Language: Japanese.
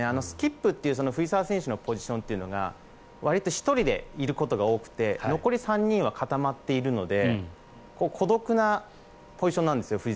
スキップという藤澤選手のポジションが１人でいることが多くて残り３人は固まっているので孤独なポジションなんですよ。